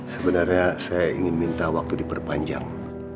sebenarnya saya ingin minta waktu diperpanjang